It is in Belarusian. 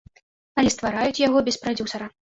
Але ствараюць яго без прадзюсара.